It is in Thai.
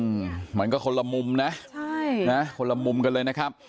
อืมมันก็คนละมุมนะใช่นะคนละมุมกันเลยนะครับ